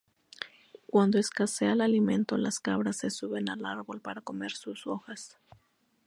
Cuando escasea el alimento, las cabras se suben al árbol para comer sus hojas.